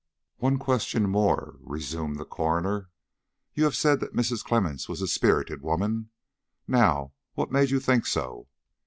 "One question more," resumed the coroner. "You have said that Mrs. Clemmens was a spirited woman. Now, what made you think so?